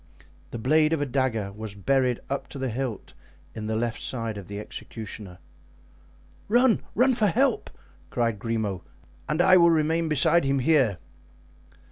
The blade of a dagger was buried up to the hilt in the left side of the executioner. "Run! run for help!" cried Grimaud, "and I will remain beside him here."